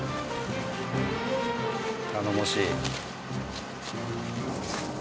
頼もしい。